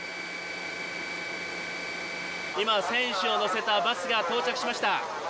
今選手を乗せたバスが到着しました